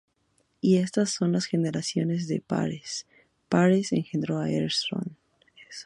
Y estas son las generaciones de Phares: Phares engendró á Hesrón;